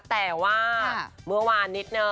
แต่ว่าเมื่อวานนิดนึง